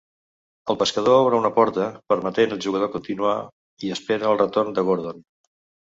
El pescador obre una porta, permetent al jugador continuar, i espera el retorn de Gordon.